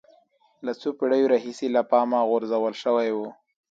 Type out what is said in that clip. له څو پېړیو راهیسې له پامه غورځول شوی و